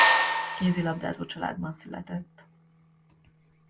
Kézilabdázó családban született.